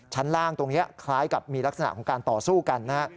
ชั้นล่างตรงนี้คล้ายกับมีลักษณะของการต่อสู้กันนะฮะ